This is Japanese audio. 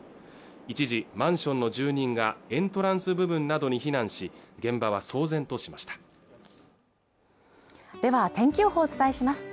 一時マンションの住人がエントランス部分などに避難し現場は騒然としましたでは天気予報をお伝えします